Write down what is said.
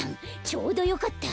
ちょうどよかった。